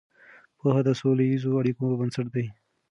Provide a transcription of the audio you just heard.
پوهه د سوله ییزو اړیکو بنسټ دی.